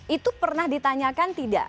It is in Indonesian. itu pernah ditanyakan tidak